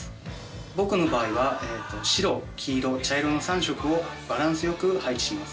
僕の場合は白黄色茶色の３色をバランス良く配置します。